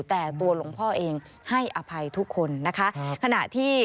แต่ตัวหลวงพ่อเองให้อภัยทุกคนนะคะขณะที่